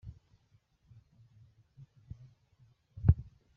Gutinza igihe cyo kujya mu kwezi kwa buki.